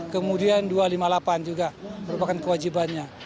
kemudian dua ratus lima puluh delapan juga merupakan kewajibannya